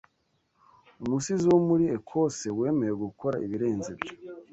Umusizi wo muri Ecose wemeye gukora ibirenze ibyo